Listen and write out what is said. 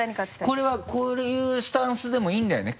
これはこういうスタンスでもいいんだよね？